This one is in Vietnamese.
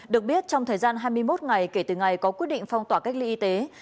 được biết trong thời gian hai mươi một ngày kể từ ngày có quyết định phong tỏa cách ly y tế